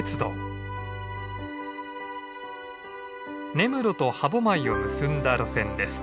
根室と歯舞を結んだ路線です。